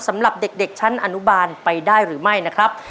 สำหรับเด็กชั้นอนุบาลไปได้หรือไม่นะครับ